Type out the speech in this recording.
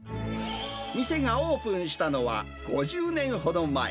店がオープンしたのは５０年ほど前。